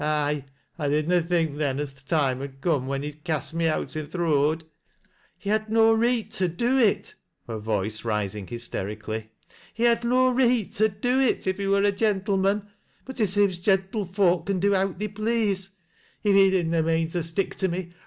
ye! 1 did na think then, as th tcime ud come when he'd uast me out i' th' road. He had no reet to do it," her voice rising hysterically. " He had no reet to do it, if he wm a gentleman ; but it seems gentlefolk can do owt the; rOAN AND THE CHILD. 59 please. If he did na mean to stick to me.